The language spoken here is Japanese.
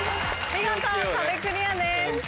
見事壁クリアです。